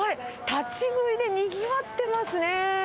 立ち食いでにぎわってますね。